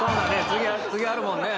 次あるもんね。